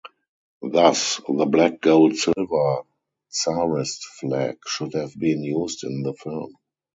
Thus, the black-gold-silver tsarist flag should have been used in the film.